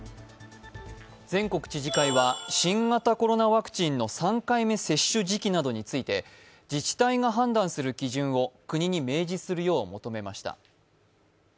全国知事会は新型コロナワクチンの３回目接種時期などについて自治体が判断する基準を国に明示するよう求めました。